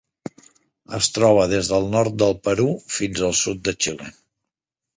Es troba des del nord del Perú fins al sud de Xile.